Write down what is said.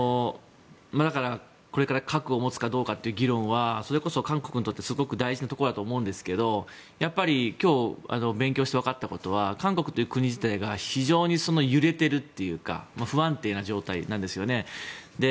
だから、これから核を持つかどうかという議論はそれこそ韓国にとってすごく大事なところだと思いますがやっぱり今日、勉強してわかったことは韓国という国自体が非常に揺れているというか不安定な状態なんですよね。